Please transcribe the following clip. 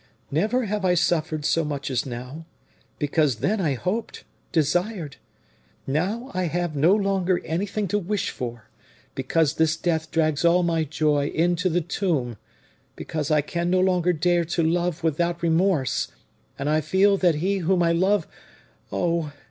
never have I suffered so much as now; because then I hoped, desired, now I have no longer anything to wish for; because this death drags all my joy into the tomb; because I can no longer dare to love without remorse, and I feel that he whom I love oh!